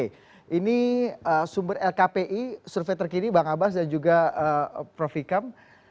ini sumber lkpi survei terkini bang abbas dan juga prof ikam